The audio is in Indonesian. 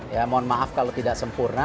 ya mohon maaf kalau tidak sempurna